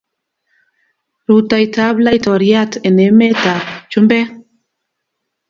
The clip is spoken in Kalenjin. Rutoita ab laitoriat eng emet ab chumbek